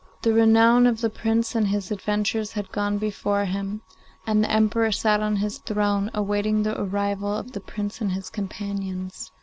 The renown of the Prince and his adventure had gone before him, and the Emperor sat on his throne awaiting the arrival of the Prince and his companions.